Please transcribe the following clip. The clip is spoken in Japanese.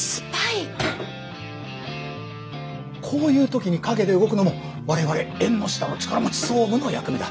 こういう時に陰で動くのも我々縁の下の力持ち総務の役目だ。